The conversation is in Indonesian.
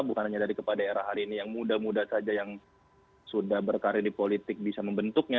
bukan hanya dari kepala daerah hari ini yang muda muda saja yang sudah berkarir di politik bisa membentuknya